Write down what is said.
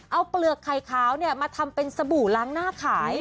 เอาเปลือกไข่ขาวมาทำเป็นสบู่ล้างหน้าขาย